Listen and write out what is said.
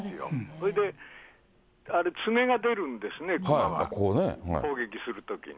それで、爪が出るんですね、熊は、攻撃するときに。